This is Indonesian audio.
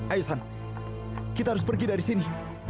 ayo san kita harus pergi dari sini